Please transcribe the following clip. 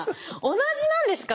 同じなんですか？